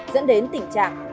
dẫn đến tình trạng